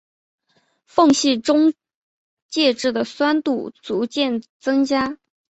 缝隙中介质的酸度逐渐增加。